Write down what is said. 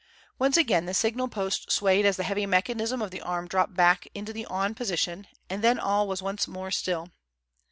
Once again the signal post swayed as the heavy mechanism of the arm dropped back into the "on" position, and then all was once more still.